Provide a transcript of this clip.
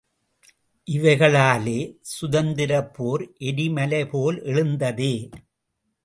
இவைக ளாலே சுதந்தி ரப்போர் எரிம லைபோல் எழுந்ததே!